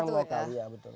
kearifan lokal ya betul